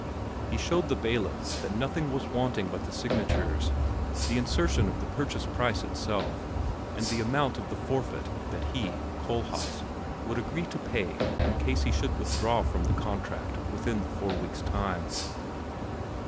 He showed the bailiff that nothing was wanting but the signatures, the insertion of the purchase price itself, and the amount of the forfeit that he, Kohlhaas, would agree to pay in case he should withdraw from the contract within the four weeks' time.